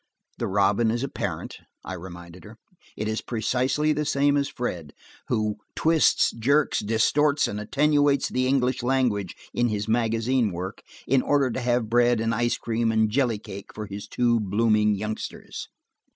"The robin is a parent," I reminded her. "It is precisely the same as Fred, who twists, jerks, distorts and attenuates the English language in his magazine work, in order to have bread and ice cream and jelly cake for his two blooming youngsters."